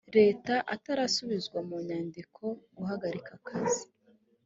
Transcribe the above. leta atarasubizwa mu nyandiko guhagarika akazi